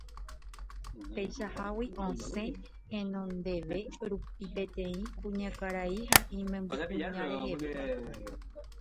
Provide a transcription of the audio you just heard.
peichahágui ohasa henonde rupi peteĩ kuñakarai imembykuña reheve.